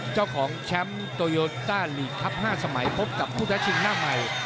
เจ้าของแชมป์โตโยต้าลีกครับ๕สมัยพบกับผู้ท้าชิงหน้าใหม่